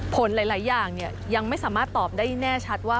ผลหลายอย่างยังไม่สามารถตอบได้แน่ชัดว่า